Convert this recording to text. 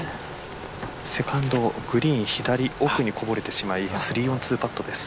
セカンド、グリーン左奥にこぼれてしまい３オン、２パットです。